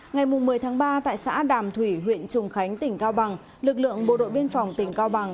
ngày một mươi tháng ba tại xã đàm thủy huyện trùng khánh tỉnh cao bằng lực lượng bộ đội biên phòng tỉnh cao bằng